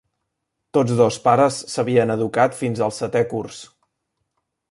Tots dos pares s'havien educat fins el setè curs.